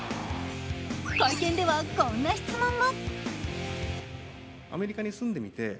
会見ではこんな質問も。